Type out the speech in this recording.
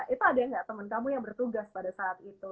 itu ada yang nggak temen kamu yang bertugas pada saat itu